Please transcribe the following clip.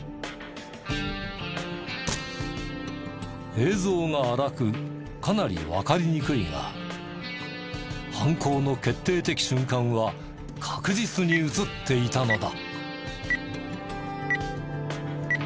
映像が粗くかなりわかりにくいが犯行の決定的瞬間は確実に映っていたのだ。